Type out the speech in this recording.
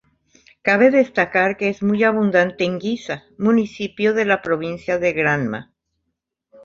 Cabe destacar que es muy abundante en Guisa, municipio de la provincia de Granma.